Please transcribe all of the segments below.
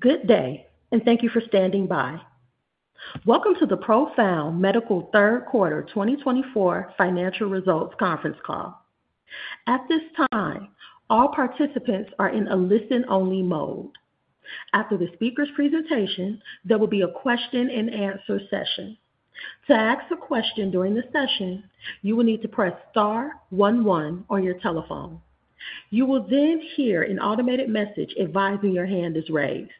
Good day, and thank you for standing by. Welcome to the Profound Medical Third Quarter 2024 Financial Results Conference Call. At this time, all participants are in a listen-only mode. After the speaker's presentation, there will be a question-and-answer session. To ask a question during the session, you will need to press star one one on your telephone. You will then hear an automated message advising your hand is raised.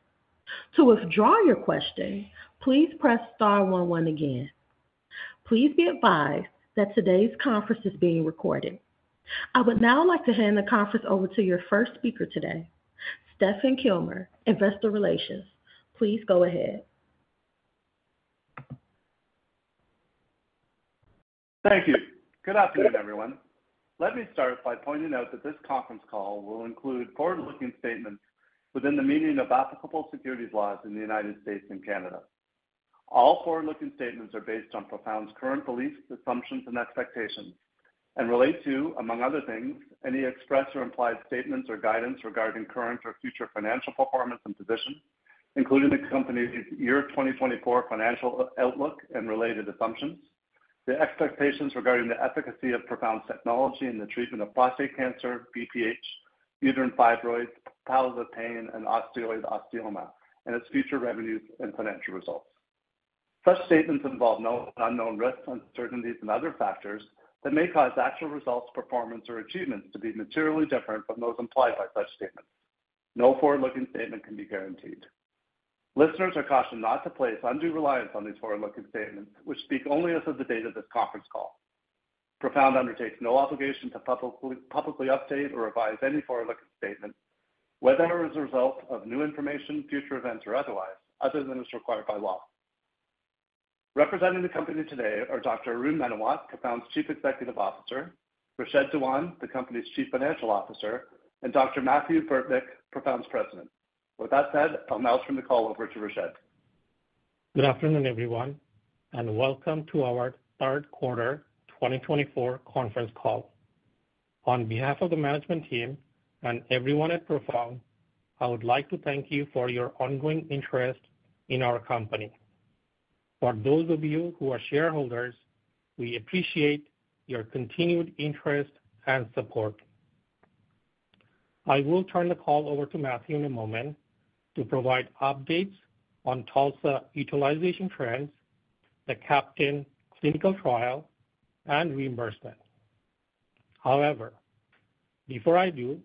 To withdraw your question, please press star one one again. Please be advised that today's conference is being recorded. I would now like to hand the conference over to your first speaker today, Stephen Kilmer, Investor Relations. Please go ahead. Thank you. Good afternoon, everyone. Let me start by pointing out that this conference call will include forward-looking statements within the meaning of applicable securities laws in the United States and Canada. All forward-looking statements are based on Profound's current beliefs, assumptions, and expectations, and relate to, among other things, any expressed or implied statements or guidance regarding current or future financial performance and position, including the company's year 2024 financial outlook and related assumptions, the expectations regarding the efficacy of Profound's technology in the treatment of prostate cancer, BPH, uterine fibroids, palliative pain, and osteoid osteoma, and its future revenues and financial results. Such statements involve known and unknown risks, uncertainties, and other factors that may cause actual results, performance, or achievements to be materially different from those implied by such statements. No forward-looking statement can be guaranteed. Listeners are cautioned not to place undue reliance on these forward-looking statements, which speak only as of the date of this conference call. Profound undertakes no obligation to publicly update or revise any forward-looking statement, whether as a result of new information, future events, or otherwise, other than as required by law. Representing the company today are Dr. Arun Menawat, Profound's Chief Executive Officer, Rashed Dewan, the company's Chief Financial Officer, and Dr. Mathieu Burtnyk, Profound's President. With that said, I'll now turn the call over to Rashed. Good afternoon, everyone, and welcome to our Third Quarter 2024 Conference Call. On behalf of the management team and everyone at Profound, I would like to thank you for your ongoing interest in our company. For those of you who are shareholders, we appreciate your continued interest and support. I will turn the call over to Mathieu in a moment to provide updates on TULSA utilization trends, the CAPTAIN clinical trial, and reimbursement. However, before I do,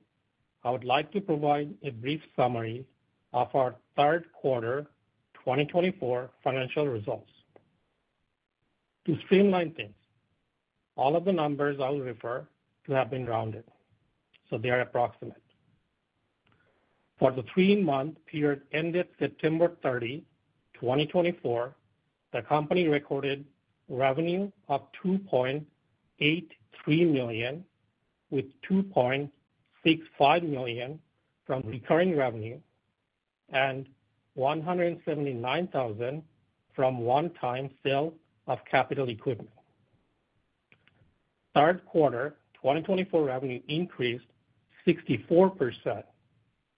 I would like to provide a brief summary of our Third Quarter 2024 Financial Results. To streamline things, all of the numbers I will refer to have been rounded, so they are approximate. For the three-month period ended September 30, 2024, the company recorded revenue of $2.83 million, with $2.65 million from recurring revenue and $179,000 from one-time sale of capital equipment. Third quarter 2024 revenue increased 64%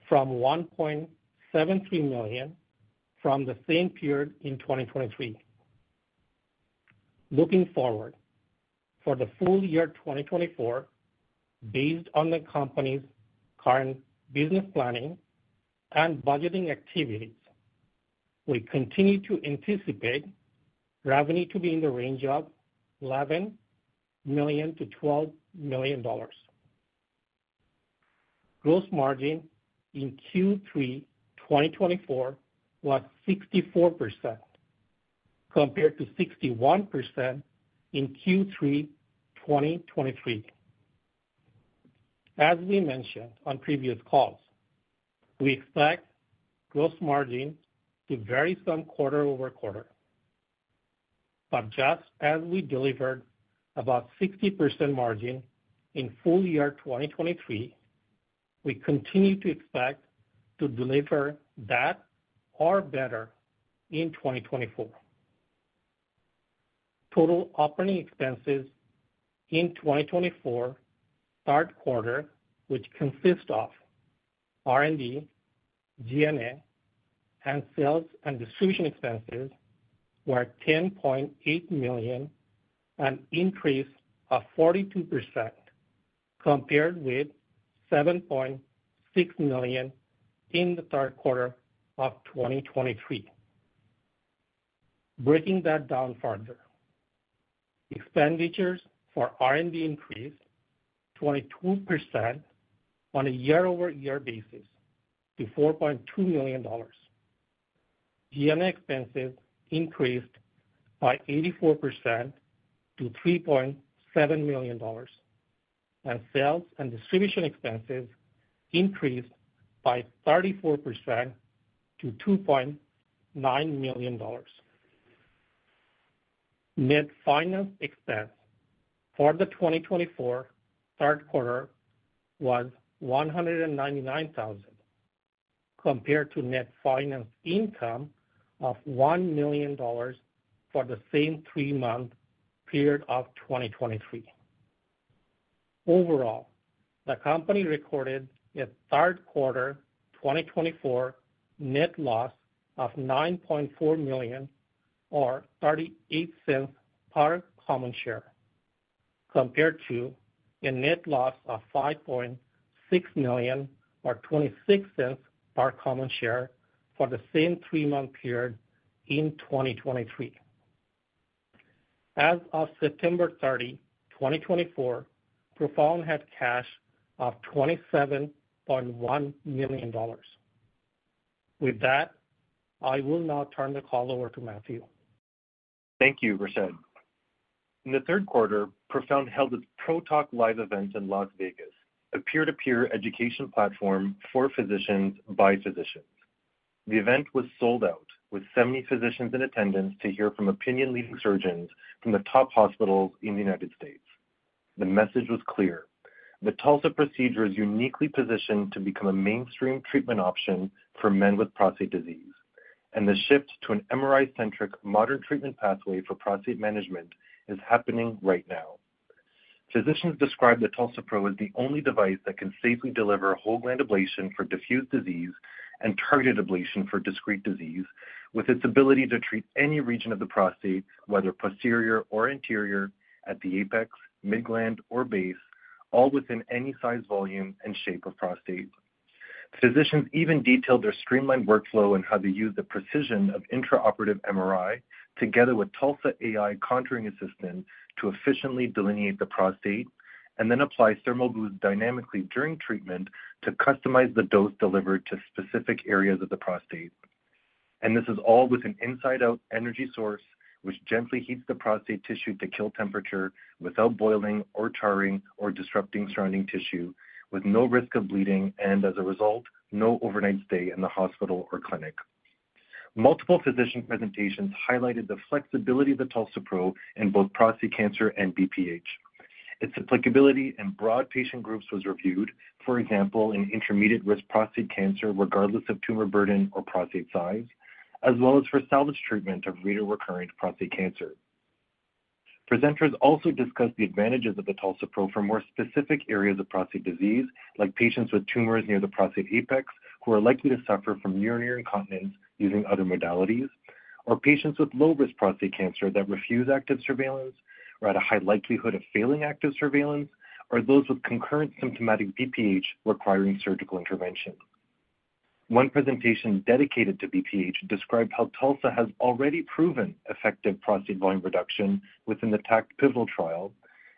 from $1.73 million from the same period in 2023. Looking forward for the full year 2024, based on the company's current business planning and budgeting activities, we continue to anticipate revenue to be in the range of $11 million-$12 million. Gross margin in Q3 2024 was 64%, compared to 61% in Q3 2023. As we mentioned on previous calls, we expect gross margin to vary some quarter over quarter. But just as we delivered about 60% margin in full year 2023, we continue to expect to deliver that or better in 2024. Total operating expenses in 2024 third quarter, which consist of R&D, G&A, and sales and distribution expenses, were $10.8 million, an increase of 42%, compared with $7.6 million in the third quarter of 2023. Breaking that down further, expenditures for R&D increased 22% on a year-over-year basis to $4.2 million. G&A expenses increased by 84% to $3.7 million, and sales and distribution expenses increased by 34% to $2.9 million. Net finance expense for the 2024 third quarter was $199,000, compared to net finance income of $1 million for the same three-month period of 2023. Overall, the company recorded a third quarter 2024 net loss of $9.4 million, or $0.38 per common share, compared to a net loss of $5.6 million, or $0.26 per common share for the same three-month period in 2023. As of September 30, 2024, Profound had cash of $27.1 million. With that, I will now turn the call over to Mathieu. Thank you, Rashed. In the third quarter, Profound held its ProTalk Live event in Las Vegas, a peer-to-peer education platform for physicians by physicians. The event was sold out, with 70 physicians in attendance to hear from opinion-leading surgeons from the top hospitals in the United States. The message was clear: the TULSA procedure is uniquely positioned to become a mainstream treatment option for men with prostate disease, and the shift to an MRI-centric modern treatment pathway for prostate management is happening right now. Physicians describe the TULSA-PRO as the only device that can safely deliver a whole-gland ablation for diffuse disease and targeted ablation for discrete disease, with its ability to treat any region of the prostate, whether posterior or anterior, at the apex, mid-gland, or base, all within any size, volume, and shape of prostate. Physicians even detailed their streamlined workflow and how they use the precision of intraoperative MRI, together with TULSA AI contouring assistant, to efficiently delineate the prostate, and then apply thermal boosts dynamically during treatment to customize the dose delivered to specific areas of the prostate. This is all with an inside-out energy source, which gently heats the prostate tissue to a lethal temperature without boiling or charring or disrupting surrounding tissue, with no risk of bleeding and, as a result, no overnight stay in the hospital or clinic. Multiple physician presentations highlighted the flexibility of the TULSA-PRO in both prostate cancer and BPH. Its applicability in broad patient groups was reviewed, for example, in intermediate-risk prostate cancer, regardless of tumor burden or prostate size, as well as for salvage treatment of radio-recurrent prostate cancer. Presenters also discussed the advantages of the TULSA-PRO for more specific areas of prostate disease, like patients with tumors near the prostate apex who are likely to suffer from urinary incontinence using other modalities, or patients with low-risk prostate cancer that refuse active surveillance or at a high likelihood of failing active surveillance, or those with concurrent symptomatic BPH requiring surgical intervention. One presentation dedicated to BPH described how TULSA-PRO has already proven effective prostate volume reduction within the TACT Pivotal Trial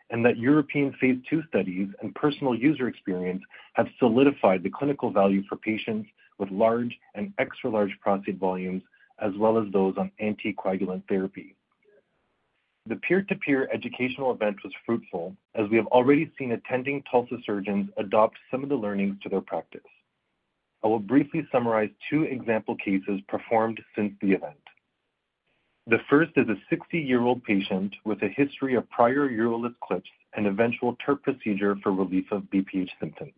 and that European phase II studies and personal user experience have solidified the clinical value for patients with large and extra-large prostate volumes, as well as those on anticoagulant therapy. The peer-to-peer educational event was fruitful, as we have already seen attending TULSA-PRO surgeons adopt some of the learnings to their practice. I will briefly summarize two example cases performed since the event. The first is a 60-year-old patient with a history of prior UroLift clips and eventual TURP procedure for relief of BPH symptoms.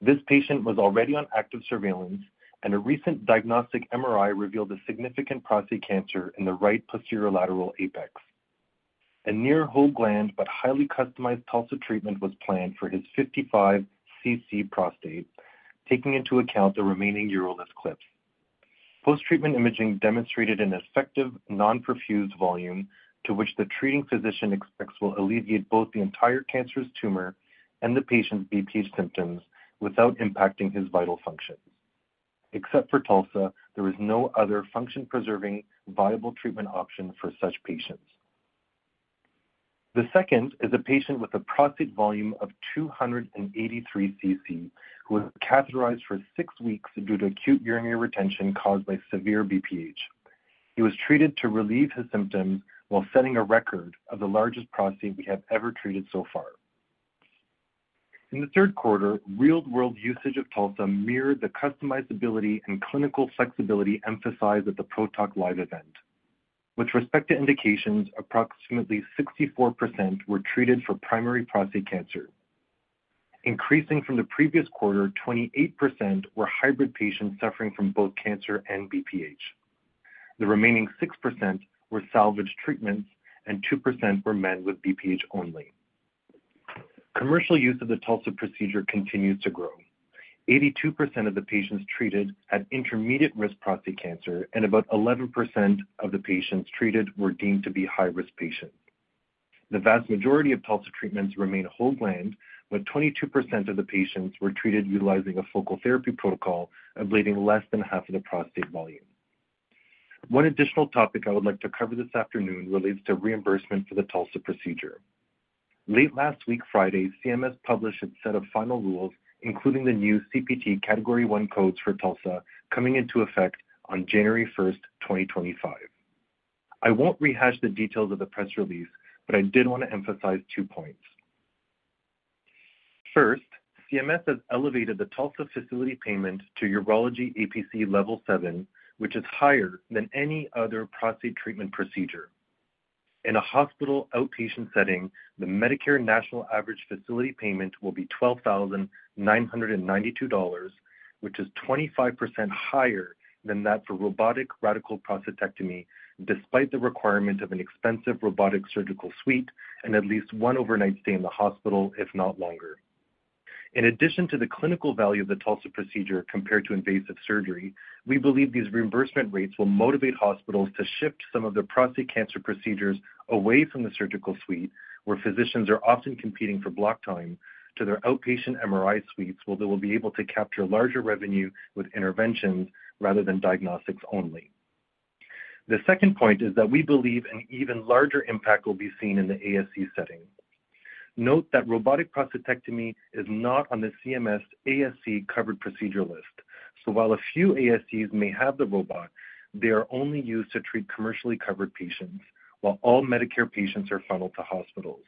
This patient was already on active surveillance, and a recent diagnostic MRI revealed a significant prostate cancer in the right posterolateral apex. A near-whole-gland but highly customized TULSA treatment was planned for his 55 cc prostate, taking into account the remaining urolith clips. Post-treatment imaging demonstrated an effective, non-perfused volume to which the treating physician expects will alleviate both the entire cancerous tumor and the patient's BPH symptoms without impacting his vital functions. Except for TULSA, there is no other function-preserving viable treatment option for such patients. The second is a patient with a prostate volume of 283 cc who was catheterized for six weeks due to acute urinary retention caused by severe BPH. He was treated to relieve his symptoms while setting a record of the largest prostate we have ever treated so far. In the third quarter, real-world usage of TULSA mirrored the customizability and clinical flexibility emphasized at the ProTalk Live event. With respect to indications, approximately 64% were treated for primary prostate cancer. Increasing from the previous quarter, 28% were hybrid patients suffering from both cancer and BPH. The remaining 6% were salvage treatments, and 2% were men with BPH only. Commercial use of the TULSA procedure continues to grow. 82% of the patients treated had intermediate-risk prostate cancer, and about 11% of the patients treated were deemed to be high-risk patients. The vast majority of TULSA treatments remain whole-gland, but 22% of the patients were treated utilizing a focal therapy protocol, ablating less than half of the prostate volume. One additional topic I would like to cover this afternoon relates to reimbursement for the TULSA procedure. Late last week, Friday, CMS published its set of final rules, including the new CPT Category 1 codes for TULSA coming into effect on January 1, 2025. I won't rehash the details of the press release, but I did want to emphasize two points. First, CMS has elevated the TULSA facility payment to urology APC Level 7, which is higher than any other prostate treatment procedure. In a hospital outpatient setting, the Medicare National Average facility payment will be $12,992, which is 25% higher than that for robotic radical prostatectomy, despite the requirement of an expensive robotic surgical suite and at least one overnight stay in the hospital, if not longer. In addition to the clinical value of the TULSA procedure compared to invasive surgery, we believe these reimbursement rates will motivate hospitals to shift some of their prostate cancer procedures away from the surgical suite, where physicians are often competing for block time, to their outpatient MRI suites, where they will be able to capture larger revenue with interventions rather than diagnostics only. The second point is that we believe an even larger impact will be seen in the ASC setting. Note that robotic prostatectomy is not on the CMS ASC-covered procedure list. So while a few ASCs may have the robot, they are only used to treat commercially covered patients, while all Medicare patients are funneled to hospitals.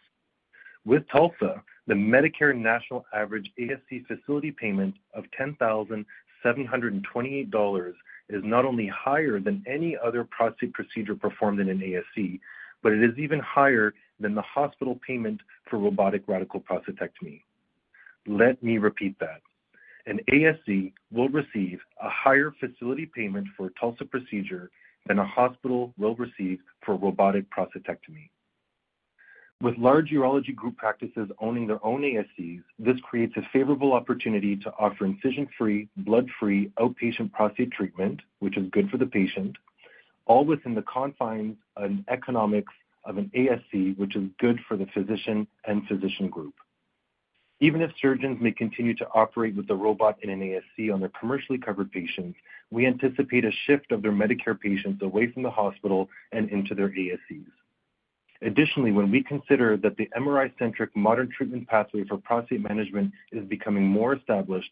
With TULSA, the Medicare National Average ASC facility payment of $10,728 is not only higher than any other prostate procedure performed in an ASC, but it is even higher than the hospital payment for robotic radical prostatectomy. Let me repeat that. An ASC will receive a higher facility payment for a TULSA procedure than a hospital will receive for robotic prostatectomy. With large urology group practices owning their own ASCs, this creates a favorable opportunity to offer incision-free, blood-free outpatient prostate treatment, which is good for the patient, all within the confines and economics of an ASC, which is good for the physician and physician group. Even if surgeons may continue to operate with the robot in an ASC on their commercially covered patients, we anticipate a shift of their Medicare patients away from the hospital and into their ASCs. Additionally, when we consider that the MRI-centric modern treatment pathway for prostate management is becoming more established,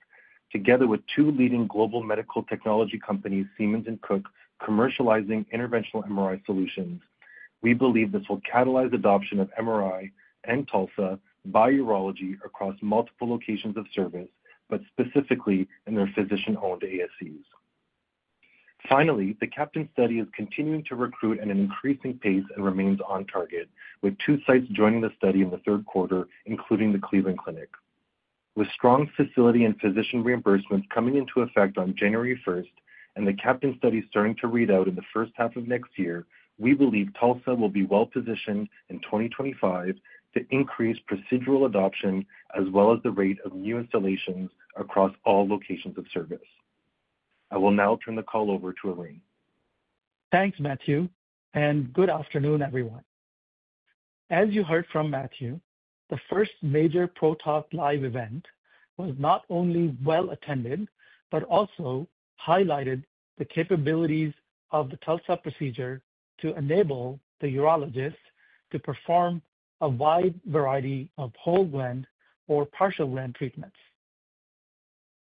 together with two leading global medical technology companies, Siemens and Cook, commercializing interventional MRI solutions, we believe this will catalyze adoption of MRI and TULSA by urology across multiple locations of service, but specifically in their physician-owned ASCs. Finally, the CAPTAIN study is continuing to recruit at an increasing pace and remains on target, with two sites joining the study in the third quarter, including the Cleveland Clinic. With strong facility and physician reimbursements coming into effect on January 1 and the CAPTAIN study starting to read out in the first half of next year, we believe TULSA will be well-positioned in 2025 to increase procedural adoption as well as the rate of new installations across all locations of service. I will now turn the call over to Arun. Thanks, Mathieu, and good afternoon, everyone. As you heard from Mathieu, the first major ProTalk Live event was not only well-attended but also highlighted the capabilities of the TULSA procedure to enable the urologist to perform a wide variety of whole-gland or partial-gland treatments.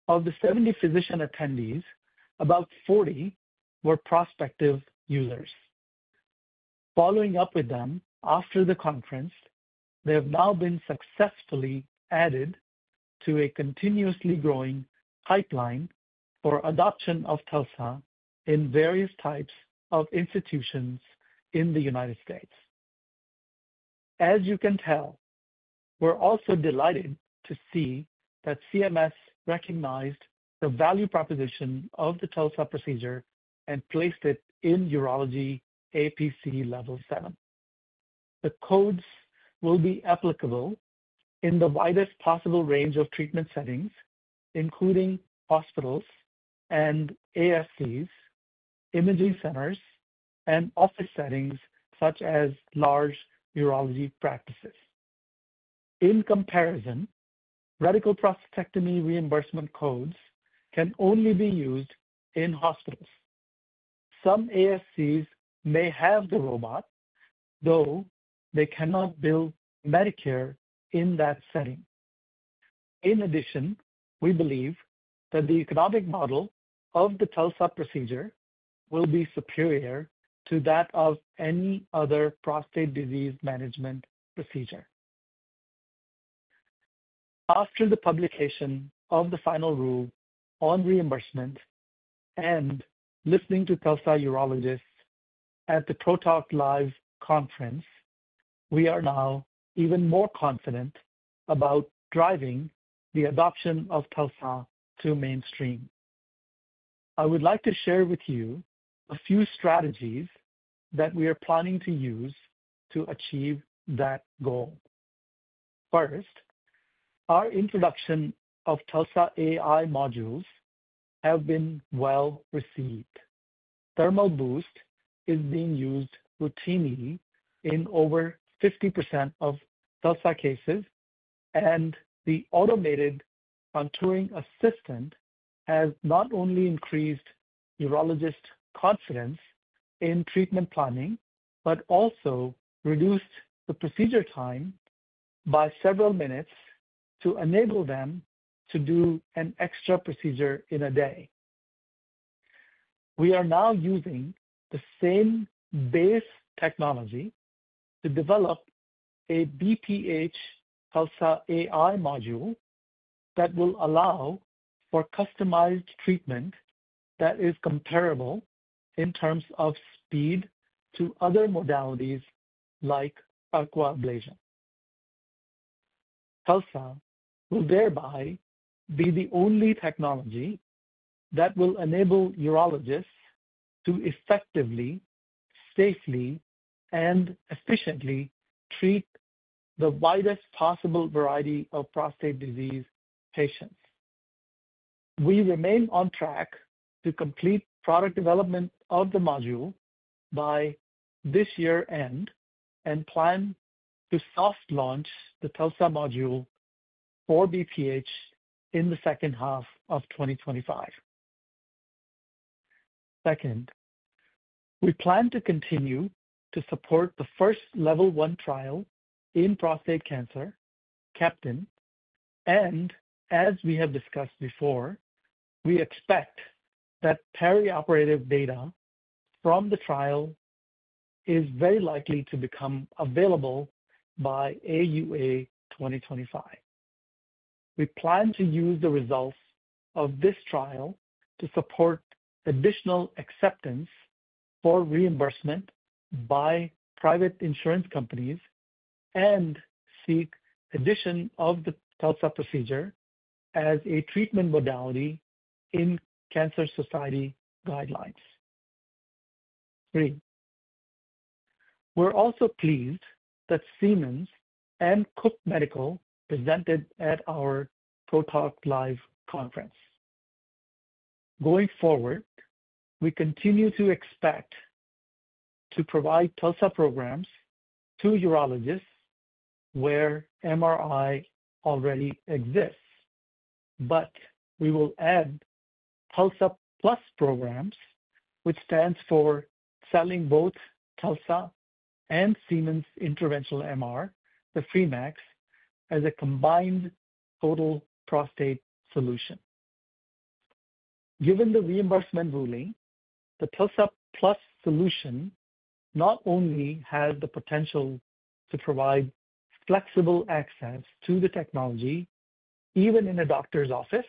Of the 70 physician attendees, about 40 were prospective users. Following up with them after the conference, they have now been successfully added to a continuously growing pipeline for adoption of TULSA in various types of institutions in the United States. As you can tell, we're also delighted to see that CMS recognized the value proposition of the TULSA procedure and placed it in urology APC level 7. The codes will be applicable in the widest possible range of treatment settings, including hospitals and ASCs, imaging centers, and office settings such as large urology practices. In comparison, radical prostatectomy reimbursement codes can only be used in hospitals. Some ASCs may have the robot, though they cannot bill Medicare in that setting. In addition, we believe that the economic model of the TULSA procedure will be superior to that of any other prostate disease management procedure. After the publication of the final rule on reimbursement and listening to TULSA urologists at the ProTalk Live conference, we are now even more confident about driving the adoption of TULSA to mainstream. I would like to share with you a few strategies that we are planning to use to achieve that goal. First, our introduction of TULSA AI modules has been well received. Thermal boost is being used routinely in over 50% of TULSA cases, and the automated contouring assistant has not only increased urologist confidence in treatment planning but also reduced the procedure time by several minutes to enable them to do an extra procedure in a day. We are now using the same base technology to develop a BPH TULSA AI module that will allow for customized treatment that is comparable in terms of speed to other modalities like Aquablation. TULSA will thereby be the only technology that will enable urologists to effectively, safely, and efficiently treat the widest possible variety of prostate disease patients. We remain on track to complete product development of the module by this year's end and plan to soft launch the TULSA module for BPH in the second half of 2025. Second, we plan to continue to support the first level 1 trial in prostate cancer, CAPTAIN, and as we have discussed before, we expect that perioperative data from the trial is very likely to become available by AUA 2025. We plan to use the results of this trial to support additional acceptance for reimbursement by private insurance companies and seek the addition of the TULSA procedure as a treatment modality in Cancer Society guidelines. Three, we're also pleased that Siemens and Cook Medical presented at our ProTalk Live conference. Going forward, we continue to expect to provide TULSA programs to urologists where MRI already exists, but we will add TULSAPlus programs, which stands for Selling Both TULSA and Siemens Interventional MR, the Free.Max, as a combined total prostate solution. Given the reimbursement ruling, the TULSA Plus solution not only has the potential to provide flexible access to the technology even in a doctor's office,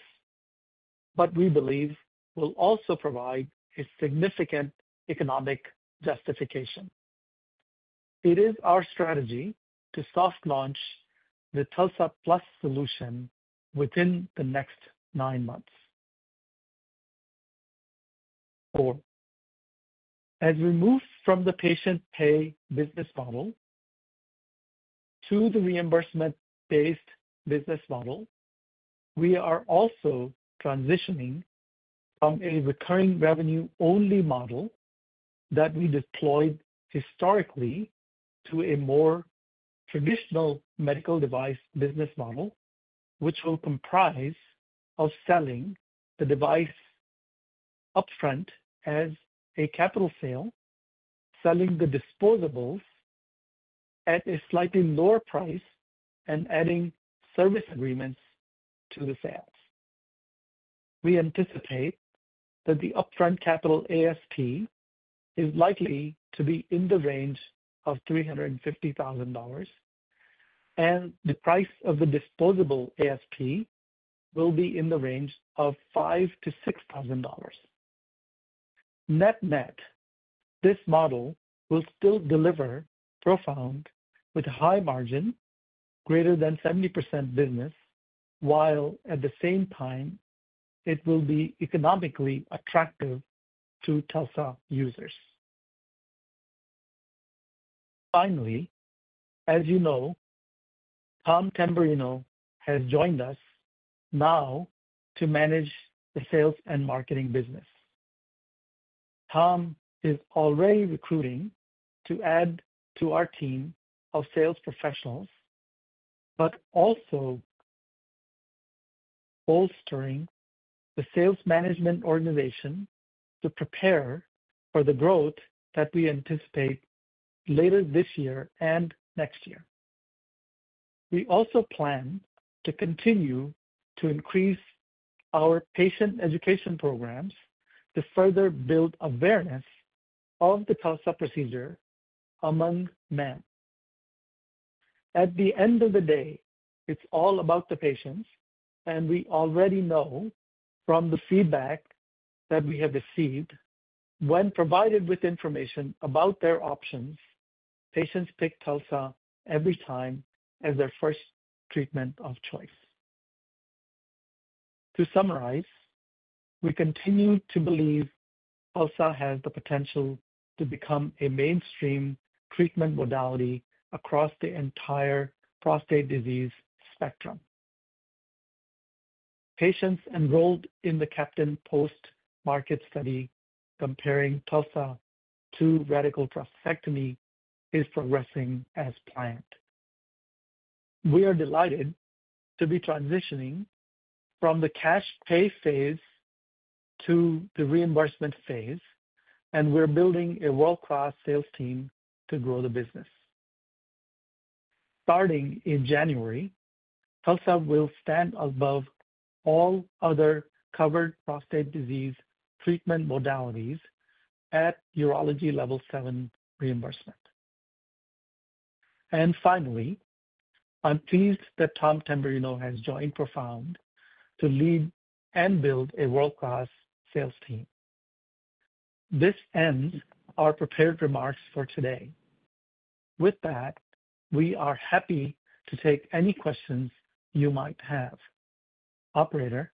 but we believe will also provide a significant economic justification. It is our strategy to soft launch the TULSA Plus solution within the next nine months. Four, as we move from the patient pay business model to the reimbursement-based business model, we are also transitioning from a recurring revenue-only model that we deployed historically to a more traditional medical device business model, which will comprise of selling the device upfront as a capital sale, selling the disposables at a slightly lower price, and adding service agreements to the sales. We anticipate that the upfront capital ASP is likely to be in the range of $350,000, and the price of the disposable ASP will be in the range of $5,000-$6,000. Net-net, this model will still deliver Profound with high margin, greater than 70% business, while at the same time, it will be economically attractive to TULSA users. Finally, as you know, Tom Tamberrino has joined us now to manage the sales and marketing business. Tom is already recruiting to add to our team of sales professionals but also bolstering the sales management organization to prepare for the growth that we anticipate later this year and next year. We also plan to continue to increase our patient education programs to further build awareness of the TULSA procedure among men. At the end of the day, it's all about the patients, and we already know from the feedback that we have received when provided with information about their options, patients pick TULSA every time as their first treatment of choice. To summarize, we continue to believe TULSA has the potential to become a mainstream treatment modality across the entire prostate disease spectrum. Patients enrolled in the CAPTAIN post-market study comparing TULSA to radical prostatectomy is progressing as planned. We are delighted to be transitioning from the cash pay phase to the reimbursement phase, and we're building a world-class sales team to grow the business. Starting in January, TULSA will stand above all other covered prostate disease treatment modalities at urology level 7 reimbursement. And finally, I'm pleased that Tom Tamberrino has joined Profound to lead and build a world-class sales team. This ends our prepared remarks for today. With that, we are happy to take any questions you might have. Operator.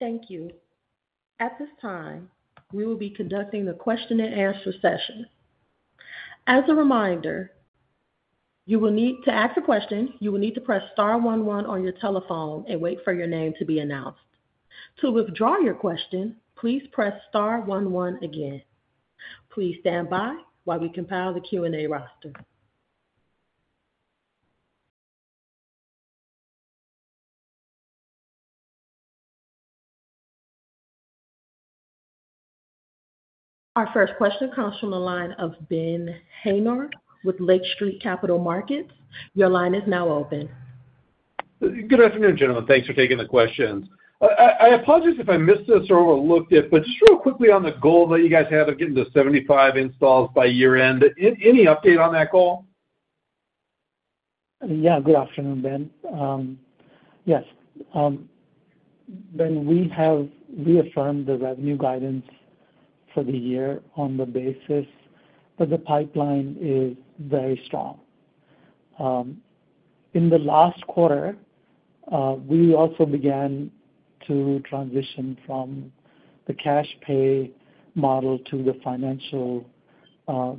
Thank you. At this time, we will be conducting the question-and-answer session. As a reminder, you will need to ask a question. You will need to press star 1one one on your telephone and wait for your name to be announced. To withdraw your question, please press star 11 again. Please stand by while we compile the Q&A roster. Our first question comes from the line of Ben Hayner with Lake Street Capital Markets. Your line is now open. Good afternoon, gentlemen. Thanks for taking the questions. I apologize if I missed this or overlooked it, but just real quickly on the goal that you guys have of getting to 75 installs by year-end. Any update on that goal? Yeah. Good afternoon, Ben. Yes. Ben, we have reaffirmed the revenue guidance for the year on the basis that the pipeline is very strong. In the last quarter, we also began to transition from the cash pay model to the financial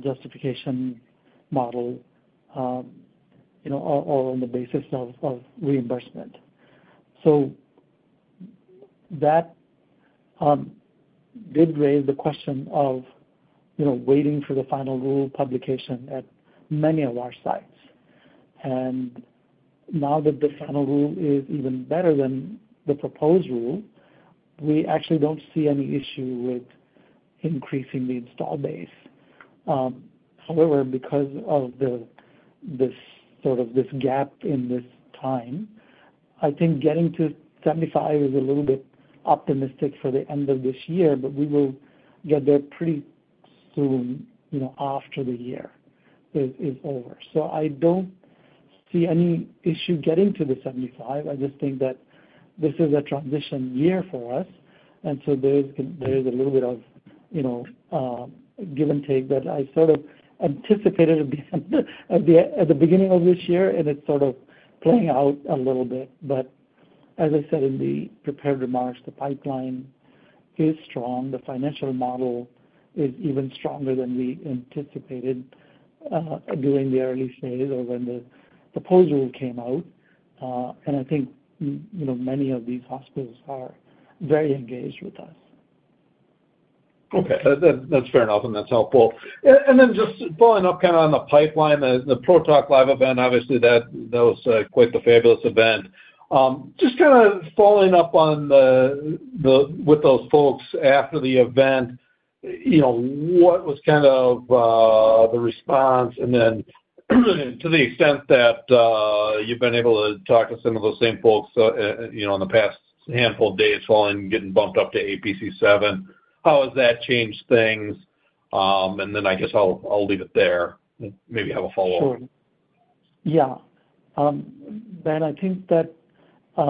justification model all on the basis of reimbursement. So that did raise the question of waiting for the final rule publication at many of our sites. And now that the final rule is even better than the proposed rule, we actually don't see any issue with increasing the install base. However, because of this sort of gap in this time, I think getting to 75 is a little bit optimistic for the end of this year, but we will get there pretty soon after the year is over. So I don't see any issue getting to the 75. I just think that this is a transition year for us. And so there is a little bit of give and take that I sort of anticipated at the beginning of this year, and it's sort of playing out a little bit. But as I said in the prepared remarks, the pipeline is strong. The financial model is even stronger than we anticipated during the early phase or when the proposal came out. And I think many of these hospitals are very engaged with us. Okay. That's fair enough, and that's helpful, and then just following up kind of on the pipeline, the ProTalk Live event, obviously, that was quite the fabulous event. Just kind of following up on with those folks after the event, what was kind of the response? And then to the extent that you've been able to talk to some of those same folks in the past handful of days following getting bumped up to APC 7, how has that changed things? And then I guess I'll leave it there and maybe have a follow-up. Sure. Yeah. Ben, I think that as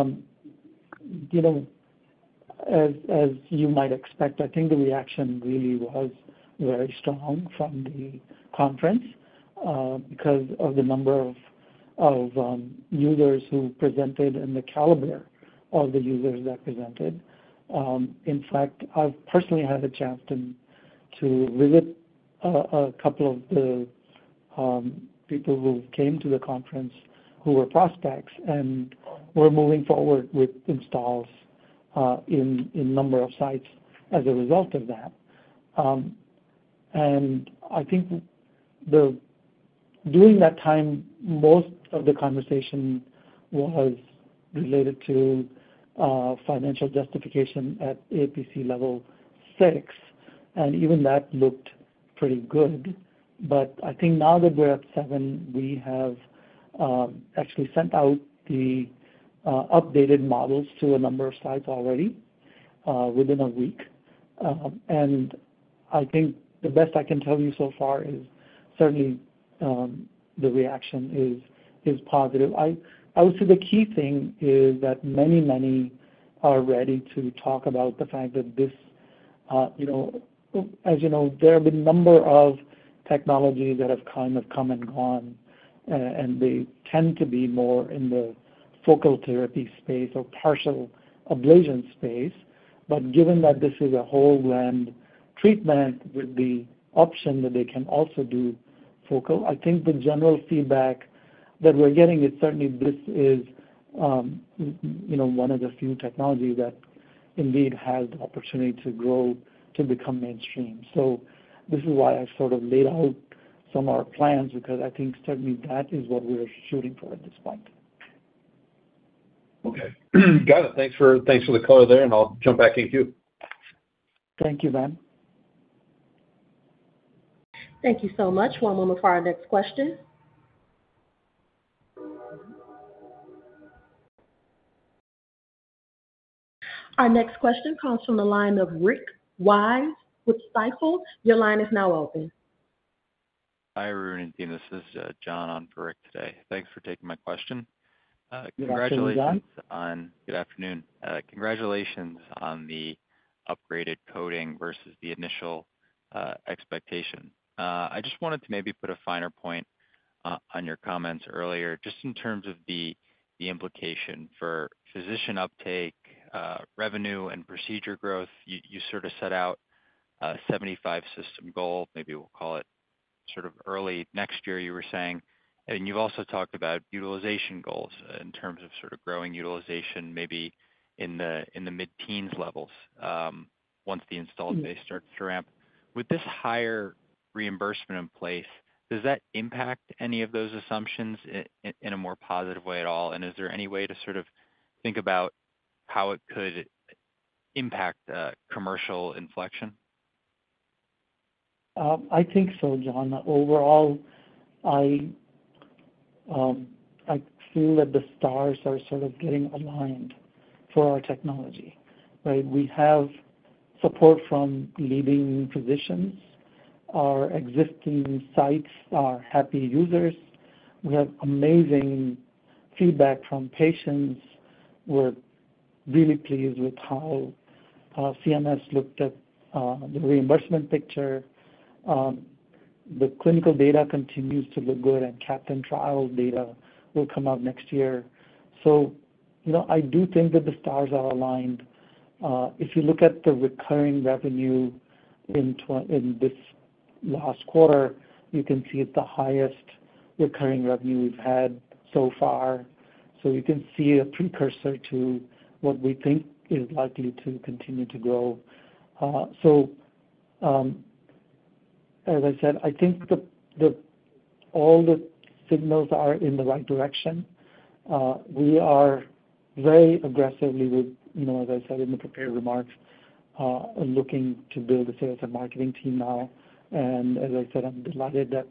you might expect, I think the reaction really was very strong from the conference because of the number of users who presented and the caliber of the users that presented. In fact, I've personally had a chance to visit a couple of the people who came to the conference who were prospects and were moving forward with installs in a number of sites as a result of that. And I think during that time, most of the conversation was related to financial justification at APC level 6, and even that looked pretty good. But I think now that we're at 7, we have actually sent out the updated models to a number of sites already within a week. And I think the best I can tell you so far is certainly the reaction is positive. I would say the key thing is that many, many are ready to talk about the fact that this as you know, there have been a number of technologies that have kind of come and gone, and they tend to be more in the focal therapy space or partial ablation space, but given that this is a whole-gland treatment with the option that they can also do focal, I think the general feedback that we're getting is certainly this is one of the few technologies that indeed has the opportunity to grow to become mainstream, so this is why I've sort of laid out some of our plans because I think certainly that is what we're shooting for at this point. Okay. Got it. Thanks for the color there, and I'll jump back in with you. Thank you, Ben. Thank you so much. One moment for our next question. Our next question comes from the line of Rick Wise with Stifel. Your line is now open. Hi, Arun and team. This is John on for Rick today. Thanks for taking my question. Good afternoon. Congratulations on the upgraded coding versus the initial expectation. I just wanted to maybe put a finer point on your comments earlier, just in terms of the implication for physician uptake, revenue, and procedure growth. You sort of set out a 75 system goal. Maybe we'll call it sort of early next year, you were saying, and you've also talked about utilization goals in terms of sort of growing utilization, maybe in the mid-teens levels once the installed base starts to ramp. With this higher reimbursement in place, does that impact any of those assumptions in a more positive way at all, and is there any way to sort of think about how it could impact commercial inflection? I think so, John. Overall, I feel that the stars are sort of getting aligned for our technology, right? We have support from leading physicians. Our existing sites are happy users. We have amazing feedback from patients. We're really pleased with how CMS looked at the reimbursement picture. The clinical data continues to look good, and CAPTAIN trial data will come out next year. So I do think that the stars are aligned. If you look at the recurring revenue in this last quarter, you can see it's the highest recurring revenue we've had so far. So you can see a precursor to what we think is likely to continue to grow. So as I said, I think all the signals are in the right direction. We are very aggressively, as I said in the prepared remarks, looking to build a sales and marketing team now. And as I said, I'm delighted that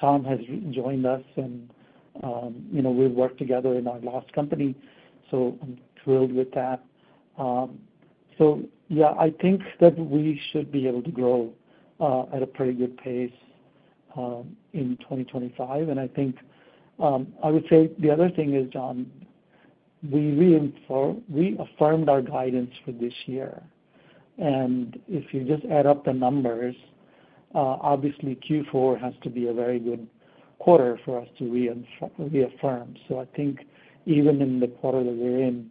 Tom has joined us, and we've worked together in our last company. So I'm thrilled with that. So yeah, I think that we should be able to grow at a pretty good pace in 2025. And I think I would say the other thing is, John, we affirmed our guidance for this year. And if you just add up the numbers, obviously, Q4 has to be a very good quarter for us to reaffirm. So I think even in the quarter that we're in,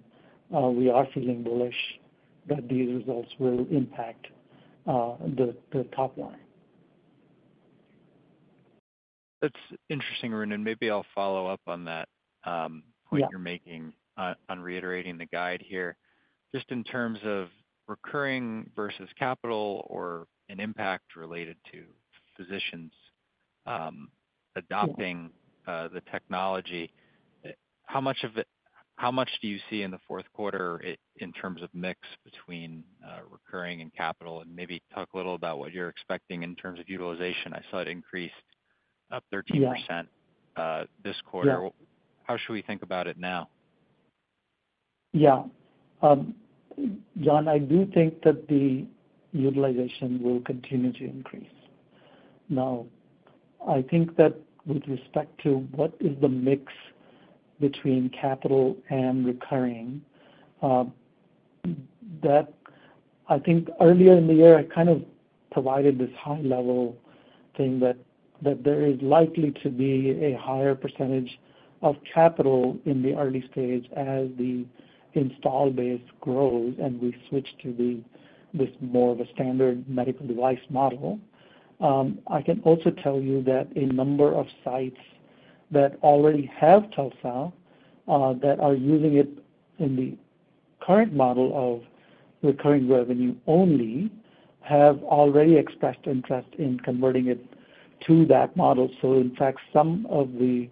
we are feeling bullish that these results will impact the top line. That's interesting, Arun, and maybe I'll follow up on that point you're making on reiterating the guide here. Just in terms of recurring versus capital or an impact related to physicians adopting the technology, how much do you see in the fourth quarter in terms of mix between recurring and capital? And maybe talk a little about what you're expecting in terms of utilization. I saw it increased up 13% this quarter. How should we think about it now? Yeah. John, I do think that the utilization will continue to increase. Now, I think that with respect to what is the mix between capital and recurring, I think earlier in the year, I kind of provided this high-level thing that there is likely to be a higher percentage of capital in the early stage as the installed base grows and we switch to this more of a standard medical device model. I can also tell you that a number of sites that already have TULSA that are using it in the current model of recurring revenue only have already expressed interest in converting it to that model. So in fact, some of the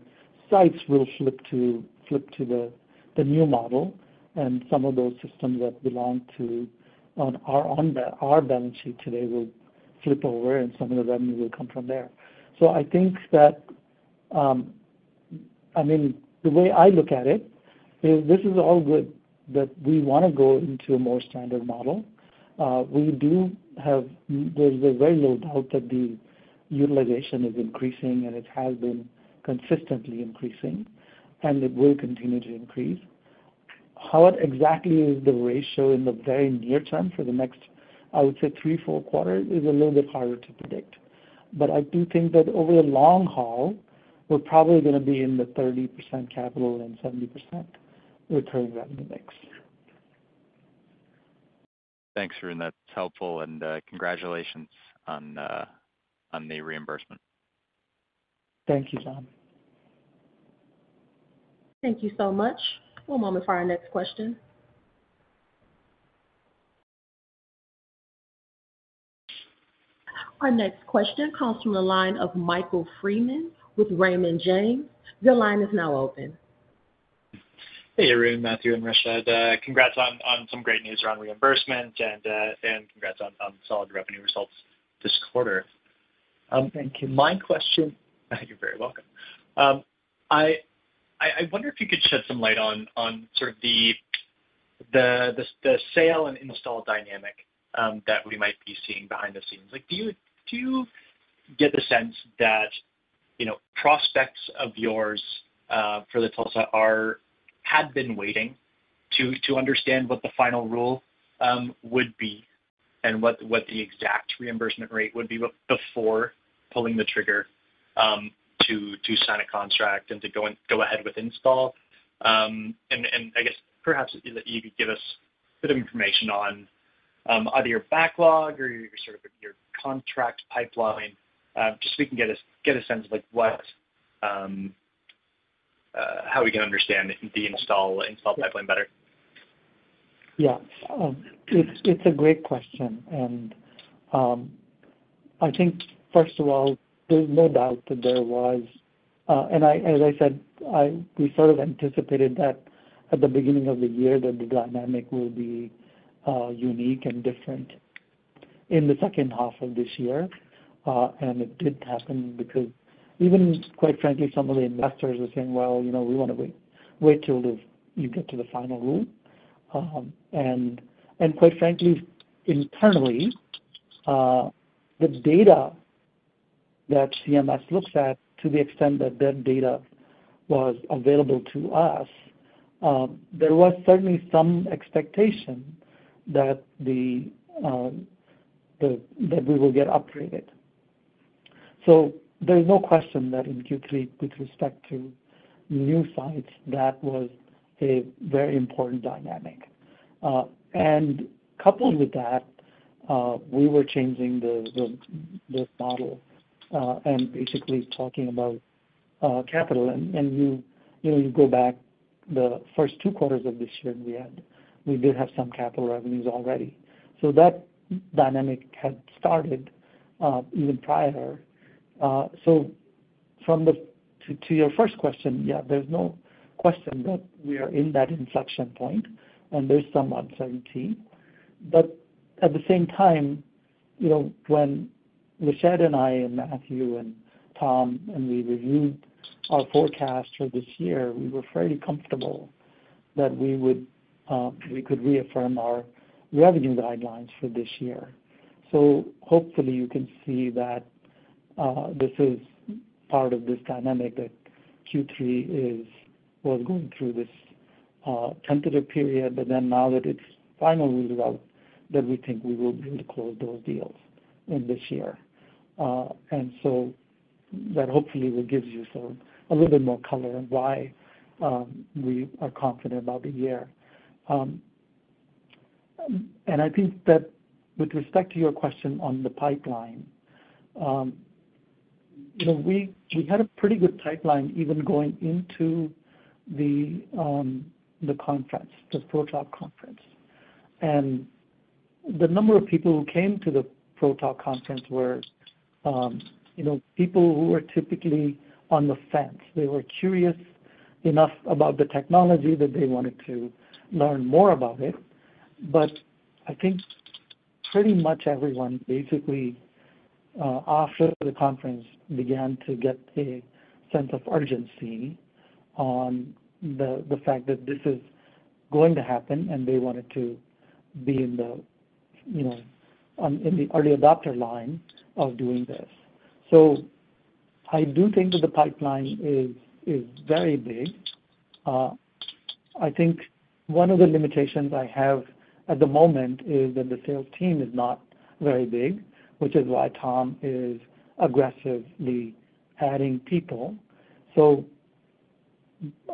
sites will flip to the new model, and some of those systems that belong to our balance sheet today will flip over, and some of the revenue will come from there. So I think that, I mean, the way I look at it is this is all good that we want to go into a more standard model. We do have. There's very little doubt that the utilization is increasing, and it has been consistently increasing, and it will continue to increase. How it exactly is the ratio in the very near term for the next, I would say, three, four quarters is a little bit harder to predict. But I do think that over the long haul, we're probably going to be in the 30% capital and 70% recurring revenue mix. Thanks, Arun. That's helpful, and congratulations on the reimbursement. Thank you, John. Thank you so much. One moment for our next question. Our next question comes from the line of Michael Freeman with Raymond James. The line is now open. Hey, Arun, Mathieu, and Rashed. Congrats on some great news around reimbursement and congrats on solid revenue results this quarter. Thank you. My question You're very welcome. I wonder if you could shed some light on sort of the sales and install dynamics that we might be seeing behind the scenes. Do you get the sense that prospects of yours for the TULSA had been waiting to understand what the final rule would be and what the exact reimbursement rate would be before pulling the trigger to sign a contract and to go ahead with install, and I guess perhaps you could give us a bit of information on either your backlog or sort of your contract pipeline just so we can get a sense of how we can understand the install pipeline better? Yeah. It's a great question. And I think, first of all, there's no doubt that there was and as I said, we sort of anticipated that at the beginning of the year that the dynamic will be unique and different in the second half of this year. And it did happen because even, quite frankly, some of the investors are saying, "Well, we want to wait till you get to the final rule." And quite frankly, internally, the data that CMS looks at, to the extent that their data was available to us, there was certainly some expectation that we will get upgraded. So there's no question that in Q3, with respect to new sites, that was a very important dynamic. And coupled with that, we were changing the model and basically talking about capital. You go back the first two quarters of this year, we did have some capital revenues already. So that dynamic had started even prior. So to your first question, yeah, there's no question that we are in that inflection point, and there's some uncertainty. But at the same time, when Rashed and I and Mathieu and Tom and we reviewed our forecast for this year, we were fairly comfortable that we could reaffirm our revenue guidelines for this year. So hopefully, you can see that this is part of this dynamic that Q3 was going through this tentative period, but then now that it's final rules out, that we think we will be able to close those deals in this year. And so that hopefully will give you a little bit more color on why we are confident about the year. I think that with respect to your question on the pipeline, we had a pretty good pipeline even going into the ProTalk Conference. The number of people who came to the ProTalk Conference were people who were typically on the fence. They were curious enough about the technology that they wanted to learn more about it. I think pretty much everyone basically after the conference began to get a sense of urgency on the fact that this is going to happen, and they wanted to be in the early adopter line of doing this. I do think that the pipeline is very big. I think one of the limitations I have at the moment is that the sales team is not very big, which is why Tom is aggressively adding people.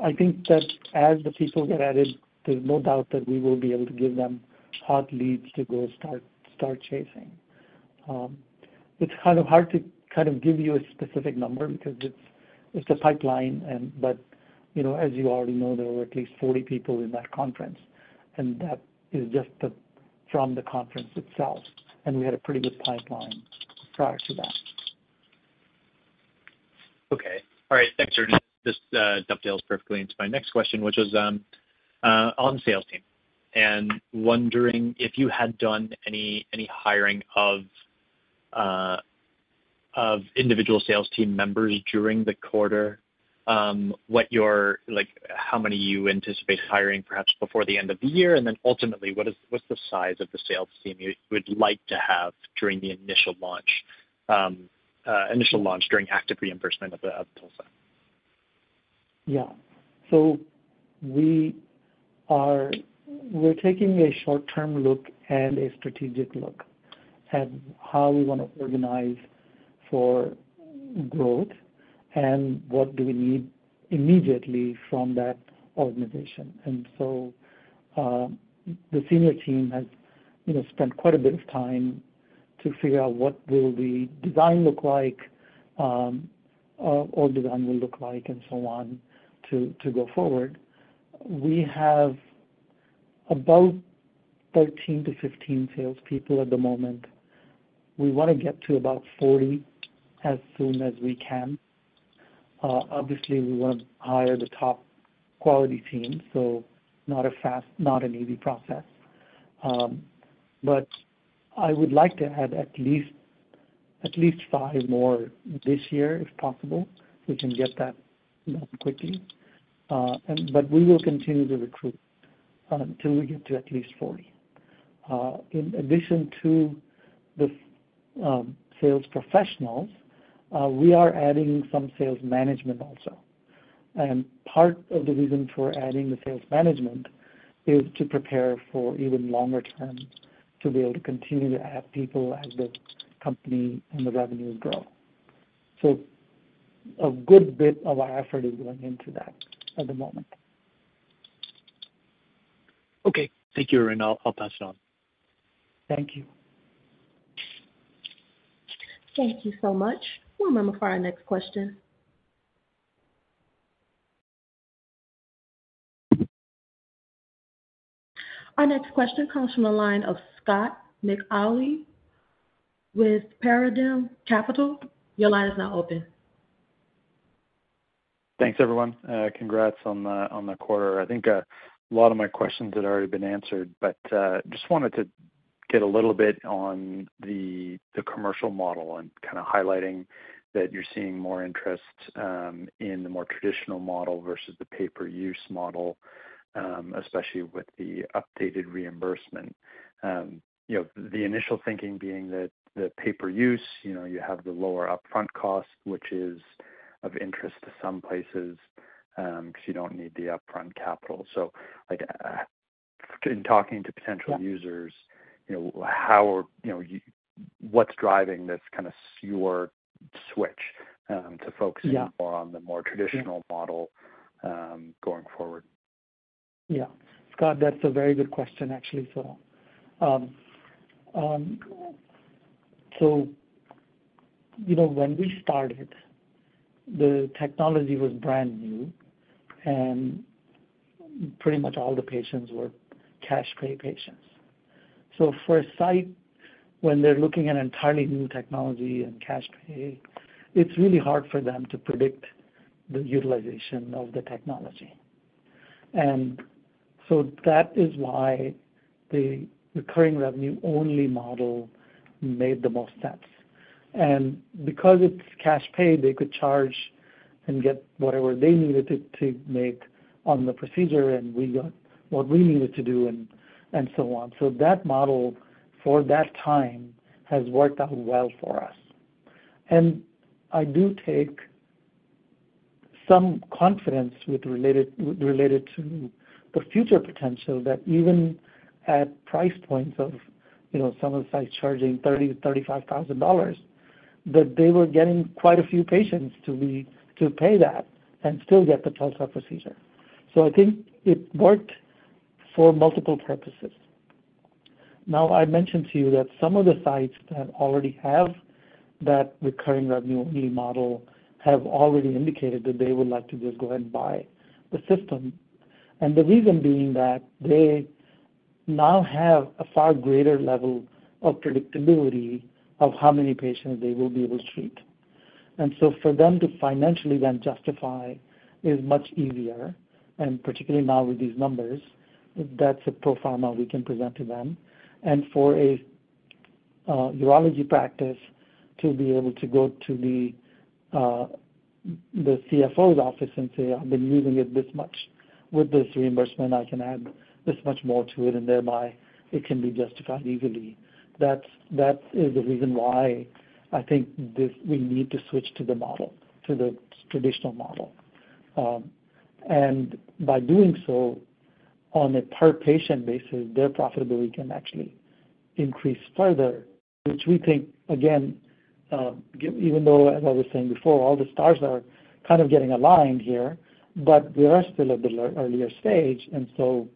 I think that as the people get added, there's no doubt that we will be able to give them hot leads to go start chasing. It's kind of hard to give you a specific number because it's a pipeline, but as you already know, there were at least 40 people in that conference, and that is just from the conference itself, and we had a pretty good pipeline prior to that. Okay. All right. Thanks, Arun. This details perfectly into my next question, which was on the sales team, and wondering if you had done any hiring of individual sales team members during the quarter, how many you anticipate hiring perhaps before the end of the year, and then ultimately, what's the size of the sales team you would like to have during the initial launch during active reimbursement of TULSA? Yeah. So we're taking a short-term look and a strategic look at how we want to organize for growth and what do we need immediately from that organization. The senior team has spent quite a bit of time to figure out what will the design look like, and so on to go forward. We have about 13-15 salespeople at the moment. We want to get to about 40 as soon as we can. Obviously, we want to hire the top quality team, so not an easy process. I would like to add at least five more this year if possible. We can get that done quickly. We will continue to recruit until we get to at least 40. In addition to the sales professionals, we are adding some sales management also. Part of the reason for adding the sales management is to prepare for even longer term to be able to continue to add people as the company and the revenue grow. A good bit of our effort is going into that at the moment. Okay. Thank you, Arun. I'll pass it on. Thank you. Thank you so much. One moment for our next question. Our next question comes from the line of Scott McAuley with Paradigm Capital. Your line is now open. Thanks, everyone. Congrats on the quarter. I think a lot of my questions had already been answered, but just wanted to get a little bit on the commercial model and kind of highlighting that you're seeing more interest in the more traditional model versus the pay-per-use model, especially with the updated reimbursement. The initial thinking being that the pay-per-use, you have the lower upfront cost, which is of interest to some places because you don't need the upfront capital. So in talking to potential users, what's driving this kind of your switch to focusing more on the more traditional model going forward? Yeah. Scott, that's a very good question, actually, for all. So when we started, the technology was brand new, and pretty much all the patients were cash pay patients. So for a site, when they're looking at entirely new technology and cash pay, it's really hard for them to predict the utilization of the technology. And so that is why the recurring revenue-only model made the most sense. And because it's cash pay, they could charge and get whatever they needed to make on the procedure, and we got what we needed to do and so on. So that model for that time has worked out well for us. And I do take some confidence related to the future potential that even at price points of some of the sites charging $30,000-$35,000, that they were getting quite a few patients to pay that and still get the TULSA procedure. So I think it worked for multiple purposes. Now, I mentioned to you that some of the sites that already have that recurring revenue-only model have already indicated that they would like to just go ahead and buy the system. And the reason being that they now have a far greater level of predictability of how many patients they will be able to treat. And so for them to financially then justify is much easier. And particularly now with these numbers, that's a pro forma we can present to them. And for a urology practice to be able to go to the CFO's office and say, "I've been using it this much. With this reimbursement, I can add this much more to it," and thereby it can be justified easily. That is the reason why I think we need to switch to the traditional model. And by doing so on a per-patient basis, their profitability can actually increase further, which we think, again, even though, as I was saying before, all the stars are kind of getting aligned here, but we are still at the earlier stage. And so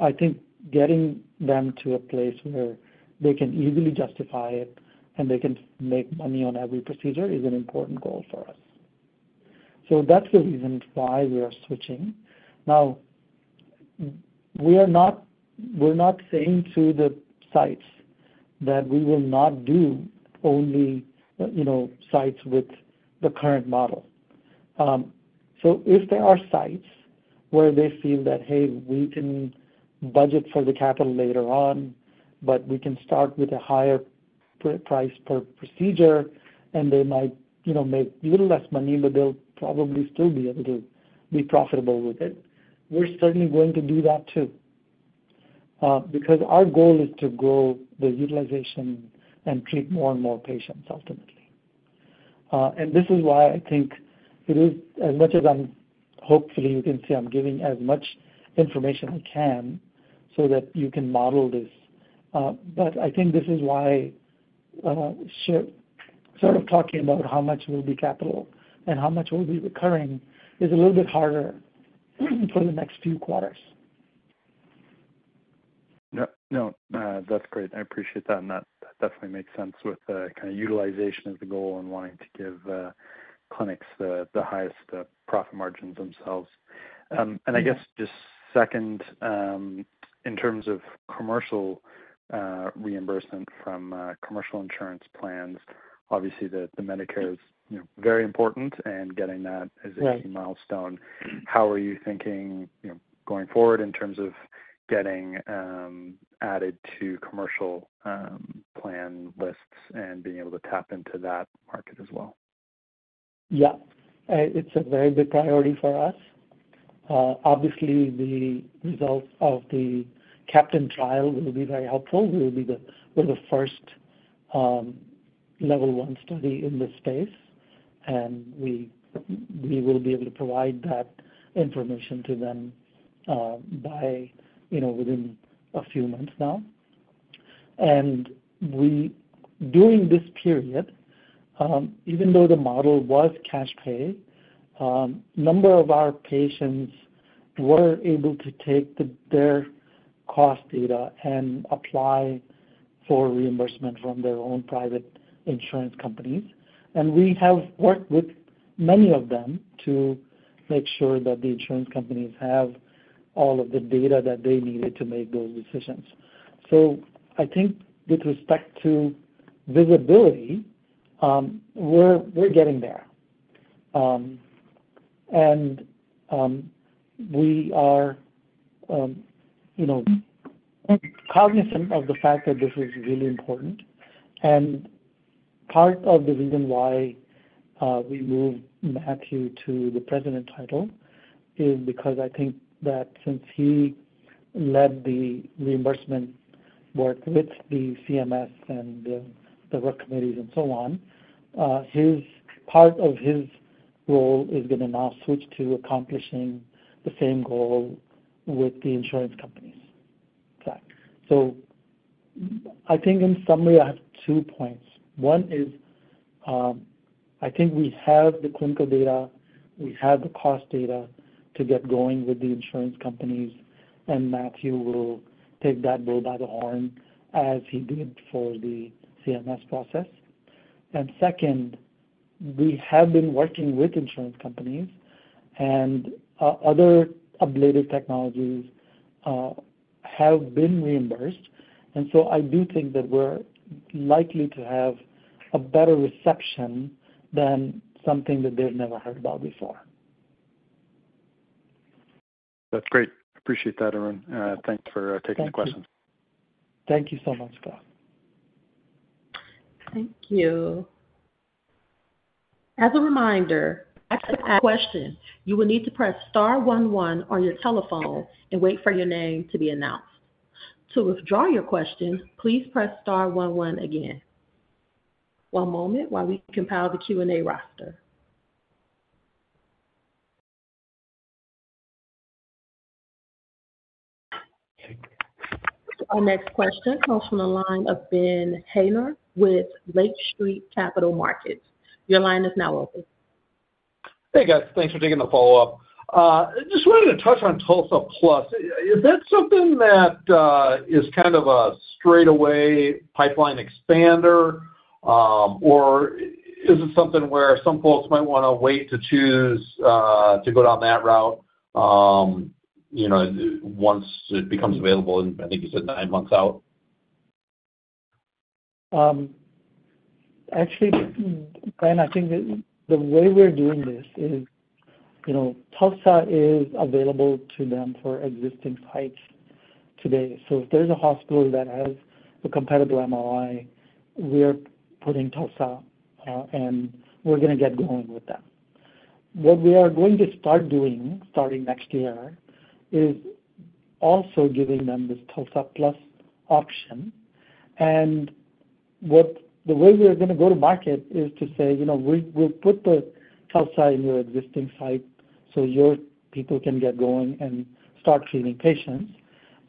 I think getting them to a place where they can easily justify it and they can make money on every procedure is an important goal for us. So that's the reason why we are switching. Now, we're not saying to the sites that we will not do only sites with the current model. So if there are sites where they feel that, "Hey, we can budget for the capital later on, but we can start with a higher price per procedure," and they might make a little less money, but they'll probably still be able to be profitable with it, we're certainly going to do that too because our goal is to grow the utilization and treat more and more patients ultimately. And this is why I think it is as much as I'm hopefully you can see I'm giving as much information I can so that you can model this. But I think this is why sort of talking about how much will be capital and how much will be recurring is a little bit harder for the next few quarters. No, that's great. I appreciate that. And that definitely makes sense with the kind of utilization as the goal and wanting to give clinics the highest profit margins themselves. And I guess just second, in terms of commercial reimbursement from commercial insurance plans, obviously the Medicare is very important, and getting that is a key milestone. How are you thinking going forward in terms of getting added to commercial plan lists and being able to tap into that market as well? Yeah. It's a very big priority for us. Obviously, the results of the CAPTAIN trial will be very helpful. We're the first Level 1 study in this space, and we will be able to provide that information to them within a few months now, and during this period, even though the model was cash pay, a number of our patients were able to take their cost data and apply for reimbursement from their own private insurance companies, and we have worked with many of them to make sure that the insurance companies have all of the data that they needed to make those decisions, so I think with respect to visibility, we're getting there, and we are cognizant of the fact that this is really important. Part of the reason why we moved Mathieu to the president title is because I think that since he led the reimbursement work with the CMS and the work committees and so on, part of his role is going to now switch to accomplishing the same goal with the insurance companies. I think in summary, I have two points. One is I think we have the clinical data. We have the cost data to get going with the insurance companies, and Mathieu will take that bull by the horn as he did for the CMS process. Second, we have been working with insurance companies, and other ablative technologies have been reimbursed. I do think that we're likely to have a better reception than something that they've never heard about before. That's great. Appreciate that, Arun. Thanks for taking the questions. Thank you so much, Scott. Thank you. As a reminder, after the question, you will need to press star one one on your telephone and wait for your name to be announced. To withdraw your question, please press star one one again. One moment while we compile the Q&A roster. Our next question comes from the line of Ben Hayner with Lake Street Capital Markets. Your line is now open. Hey, guys. Thanks for taking the follow-up. Just wanted to touch on TULSA Plus. Is that something that is kind of a straight-away pipeline expander, or is it something where some folks might want to wait to choose to go down that route once it becomes available, and I think you said nine months out? Actually, Ben, I think the way we're doing this is TULSA is available to them for existing sites today. So if there's a hospital that has a compatible MRI, we are putting TULSA, and we're going to get going with that. What we are going to start doing starting next year is also giving them this TULSA Plus option. And the way we're going to go to market is to say, "We'll put the TULSA in your existing site so your people can get going and start treating patients."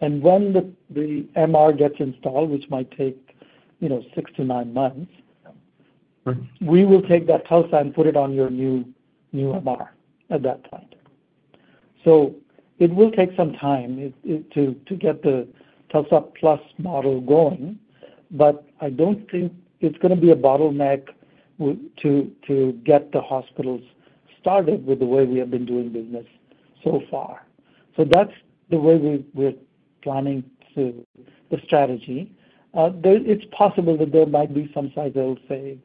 And when the MR gets installed, which might take six to nine months, we will take that TULSA and put it on your new MR at that point. So it will take some time to get the TULSA Plus model going, but I don't think it's going to be a bottleneck to get the hospitals started with the way we have been doing business so far. So that's the way we're planning the strategy. It's possible that there might be some sites that will say,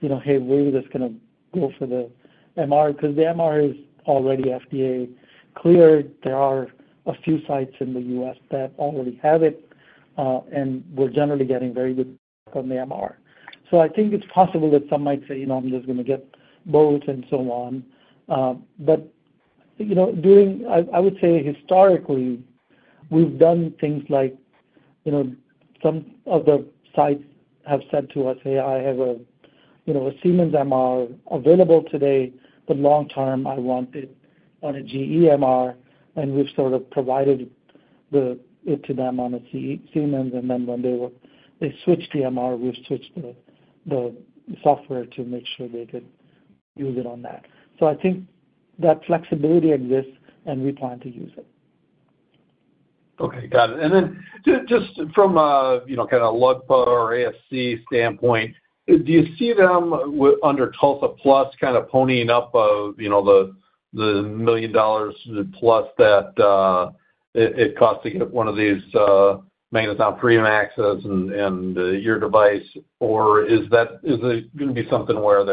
"Hey, where are you just going to go for the MR?" Because the MR is already FDA Cleared. There are a few sites in the U.S. that already have it, and we're generally getting very good on the MR. So I think it's possible that some might say, "I'm just going to get both," and so on. But I would say historically, we've done things like some of the sites have said to us, "Hey, I have a Siemens MR available today, but long-term, I want it on a GE" And we've sort of provided it to them on a Siemens. And then when they switched the MR, we switched the software to make sure they could use it on that. So I think that flexibility exists, and we plan to use it. Okay. Got it. And then just from kind of a LUGPA or ASC standpoint, do you see them under TULSA Plus kind of ponying up the $1 million plus that it costs to get one of these MAGNETOM Free.Max and your device? Or is it going to be something where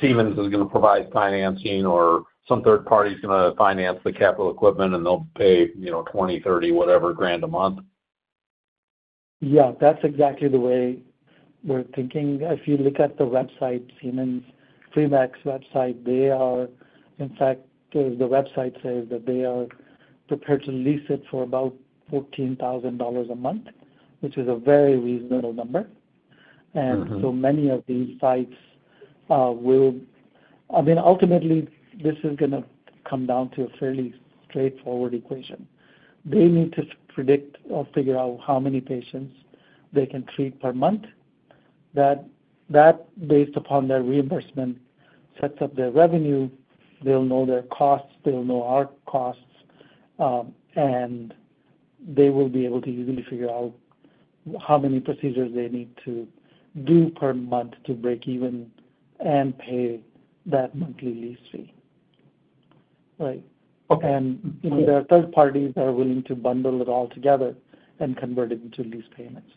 Siemens is going to provide financing or some third party is going to finance the capital equipment, and they'll pay $20,000, $30,000, whatever a month? Yeah. That's exactly the way we're thinking. If you look at the website Siemens Free.Max website, in fact, the website says that they are prepared to lease it for about $14,000 a month, which is a very reasonable number. And so many of these sites will, I mean, ultimately, this is going to come down to a fairly straightforward equation. They need to predict or figure out how many patients they can treat per month. That, based upon their reimbursement, sets up their revenue. They'll know their costs. They'll know our costs. And they will be able to easily figure out how many procedures they need to do per month to break even and pay that monthly lease fee. Right. And there are third parties that are willing to bundle it all together and convert it into lease payments.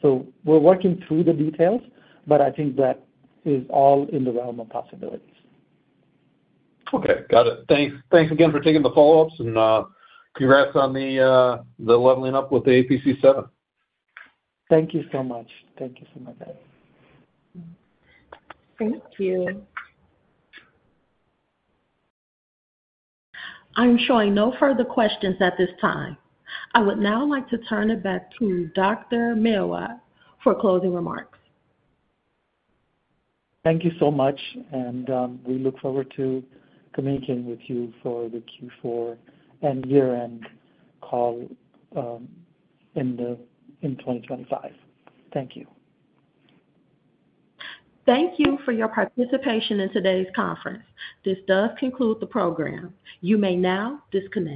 So we're working through the details, but I think that is all in the realm of possibilities. Okay. Got it. Thanks again for taking the follow-ups, and congrats on the leveling up with the APC7. Thank you so much. Thank you so much, guys. Thank you. I'm showing no further questions at this time. I would now like to turn it back to Dr. Menawat for closing remarks. Thank you so much, and we look forward to communicating with you for the Q4 and year-end call in 2025. Thank you. Thank you for your participation in today's conference. This does conclude the program. You may now disconnect.